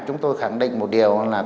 chúng tôi khẳng định một điều là